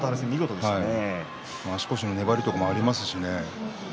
足腰の粘りもありますしね。